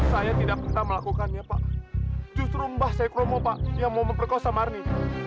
saya tidak pernah melakukannya pak justru mbah saya kromo pak yang mau memperkosa marni